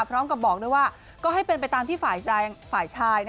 พร้อมกับบอกด้วยว่าก็ให้เป็นไปตามที่ฝ่ายชาย